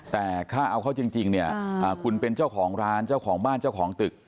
แต่ถ้าเอาเขาจริงเนี่ยคุณเป็นเจ้าของร้านเจ้าของบ้านเจ้าของตึก